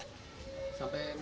kau mau makan apa